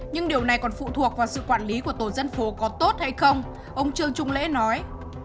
nhưng điều này còn phụ thuộc vào sự quản lý của tổ dân phố có tốt hay không ông trương trung lễ nói